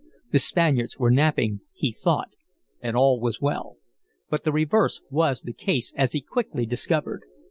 The Spaniards were napping, he thought, and all was well. But the reverse was the case, as he quickly discovered.